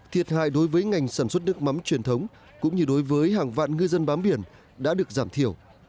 thiệt hại đối với ngành sản xuất nước mắm truyền thống cũng như đối với hàng vạn ngư dân bám biển đã được giảm thiểu